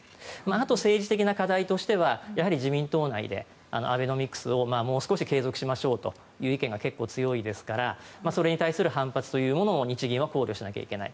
あと政治的な課題としてはやはり自民党内でアベノミクスをもう少し継続しましょうという意見が結構強いですからそれに対する反発というものを日銀は考慮しないといけない。